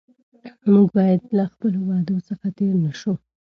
موږ باید له خپلو وعدو څخه تېر نه شو.